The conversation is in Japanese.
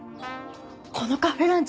このカフェランチ